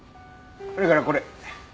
それからこれ。